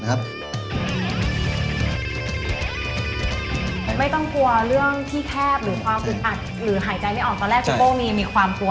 แล้วจึงดวกเก่าใจเป็นอะไรไหม